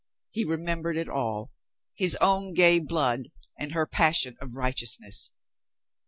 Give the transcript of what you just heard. He remembered it all. His own gay blood and her passion of righteousness.